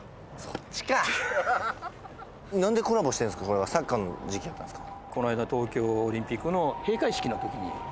これはサッカーの時期やったんですか？